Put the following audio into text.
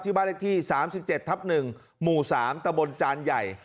บ้านเลขที่๓๗ทับ๑หมู่๓ตะบนจานใหญ่